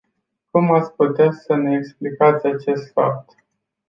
Cum ați putea să ne explicați acest fapt?